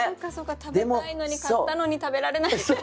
食べたいのに買ったのに食べられない。